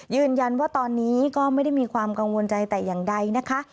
ยืนยันว่าตอนนี้ก็ไม่ได้มีความกังวลใจแต่อย่างใดนะคะ